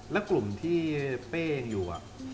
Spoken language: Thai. แล้วกลุ่มที่เป้ยังอยู่